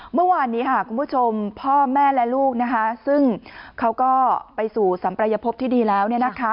เมื่อวานนี้คุณผู้ชมพ่อแม่และลูกซึ่งเขาก็ไปสู่สัมปรายภพที่ดีแล้ว